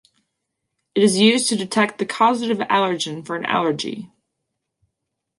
It is used to detect the causative allergen for an allergy.